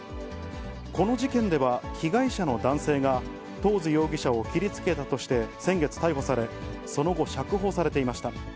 この事件では、被害者の男性が、トーズ容疑者を切りつけたとして、先月逮捕され、その後、釈放されていました。